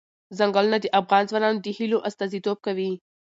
ځنګلونه د افغان ځوانانو د هیلو استازیتوب کوي.